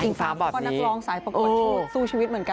เพราะนักร้องสายประปรดชุดสู้ชีวิตเหมือนกัน